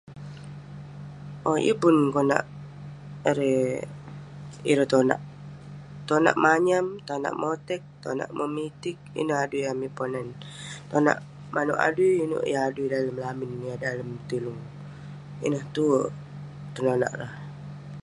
Owk, yeng pun konak erei ireh tonak. Tonak manyam, tonak motek, tonak memitig, ineh adui amik Ponan. Tonak manouk adui, inouk yah adui dalem lamin yah dalem tilung. Ineh tue tenonak rah.